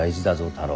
太郎。